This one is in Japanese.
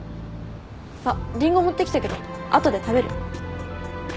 あっリンゴ持ってきたけど後で食べる？